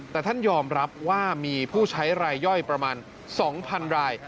แต่ท่านยอมรับว่ามีผู้ใช้รายย่อยประมาณ๒๐๐๐ราย